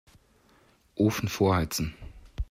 Ofen vorheizen.